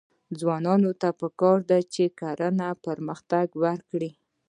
ځوانانو ته پکار ده چې، کرنه پرمختګ ورکړي.